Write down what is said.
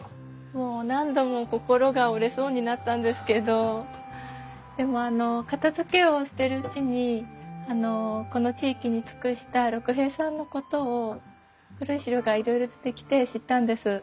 もう何度も心が折れそうになったんですけどでも片づけをしてるうちにこの地域に尽くした六平さんのことを古い資料がいろいろ出てきて知ったんです。